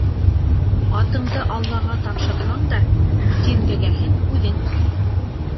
Атыңды Аллаға тапшырһаң да, дилбегәһен үҙең